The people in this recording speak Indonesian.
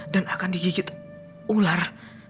dan akan digigit ular